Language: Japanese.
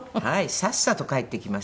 さっさと帰っていきます。